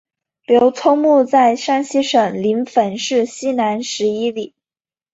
刘聪墓在山西省临汾市西南十一里。